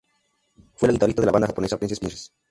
Fue la guitarrista de la banda japonesa Princess Princess.